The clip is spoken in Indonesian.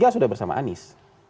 tiga sudah bersama anies